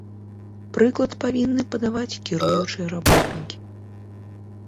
Прыклад павінны падаваць кіруючыя работнікі.